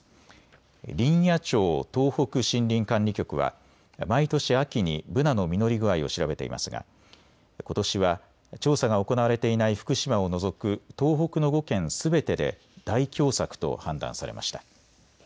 林野庁東北森林管理局は毎年秋にブナの実り具合を調べていますがことしは調査が行われていない福島を除く東北の５県すべてで大凶作と判断されました。